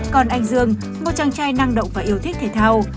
còn anh dương một chàng trai năng động và yêu thích thể thao